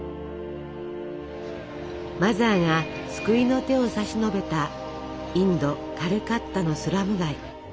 マザーが救いの手を差し伸べたインド・カルカッタのスラム街。